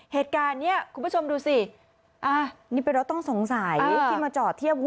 เหตุการณ์เนี้ยคุณผู้ชมดูสินี่เป็นรถต้องสงสัยที่มาจอดเทียบ